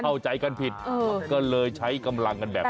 เข้าใจกันผิดก็เลยใช้กำลังกันแบบนี้